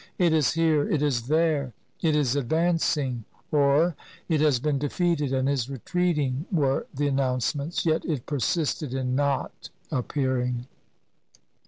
*' It is here, it is there, it is advancing," or, "It has been defeated and is retreating," were the announcements, yet it persisted in not appearing.